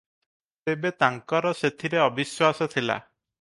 ତେବେ ତାଙ୍କର ସେଥିରେ ଅବିଶ୍ୱାସ ଥିଲା ।